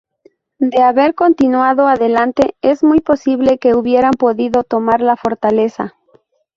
De haber continuado adelante es muy posible que hubieran podido tomar la fortaleza.